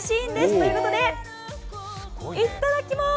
ということで、いっただきまーす！